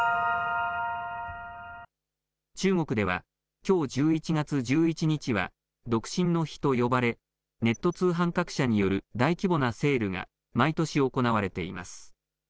中国では、きょう１１月１１日は独身の日と呼ばれ、ネット通販各社による大規模なセールが毎年行われています。